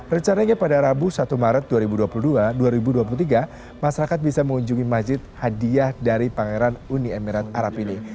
rencananya pada rabu satu maret dua ribu dua puluh dua dua ribu dua puluh tiga masyarakat bisa mengunjungi masjid hadiah dari pangeran uni emirat arab ini